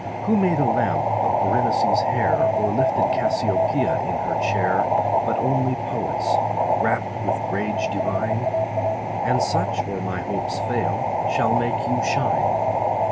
Who made a lamp of Berenice's hair Or lifted Cassiopea in her chair, But only poets, rapt with rage divine ? And such, or my hopes fail, shall make you shine.